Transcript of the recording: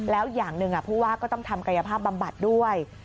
แล้วอย่างหนึ่งผู้ว่าก็ต้องทำกายภาพบำบัดด้วย